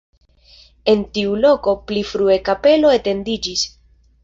En tiu loko pli frue kapelo etendiĝis.